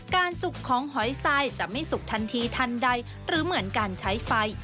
สุกของหอยทรายจะไม่สุกทันทีทันใดหรือเหมือนการใช้ไฟ